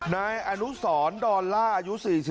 ในอนุสรดรอายุ๔๒